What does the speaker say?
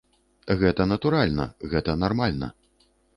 Гэта натуральна, гэта нармальна.